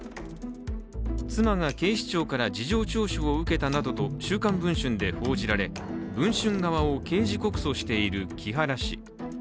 妻が警視庁から事情聴取を受けたなどと「週刊文春」で報じられ、文春側を刑事告訴している木原氏。